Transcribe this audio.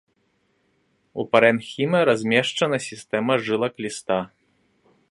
У парэнхіме размешчана сістэма жылак ліста.